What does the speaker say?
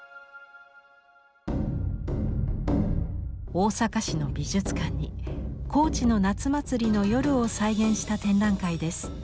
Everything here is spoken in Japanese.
大阪市の美術館に高知の夏祭りの夜を再現した展覧会です。